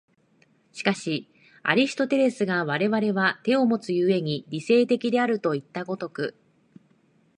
しかしアリストテレスが我々は手をもつ故に理性的であるといった如く